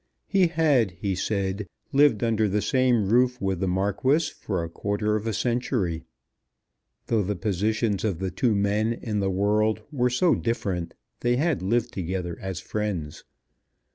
He had, he said, lived under the same roof with the Marquis for a quarter of a century. Though the positions of the two men in the world were so different they had lived together as friends.